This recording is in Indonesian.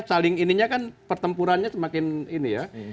saling ininya kan pertempurannya semakin ini ya